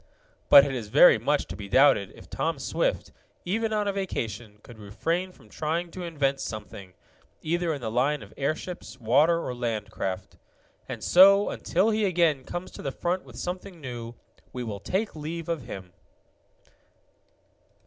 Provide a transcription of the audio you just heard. But it is very much to be doubted if Tom Swift, even on a vacation, could refrain from trying to invent something, either in the line of airships, water, or land craft. And so, until he again comes to the front with something new, we will take leave of him.